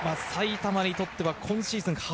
埼玉にとっては今シーズン